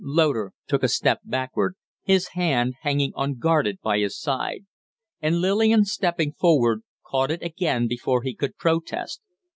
Loder took a step backward, his hand hanging unguarded by his side; and Lillian, stepping forward, caught it again before he could protest.